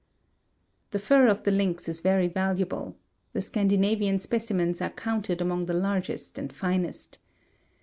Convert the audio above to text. The fur of the lynx is very valuable. The Scandinavian specimens are counted among the largest and finest.